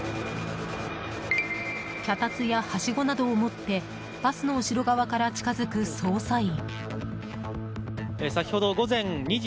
脚立や、はしごなどを持ってバスの後ろ側から近づく捜査員。